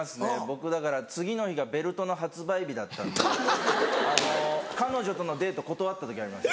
僕だから次の日がベルトの発売日だったんで彼女とのデート断った時あります。